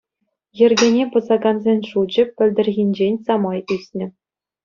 Йӗркене пӑсакансен шучӗ пӗлтӗрхинчен самай ӳснӗ.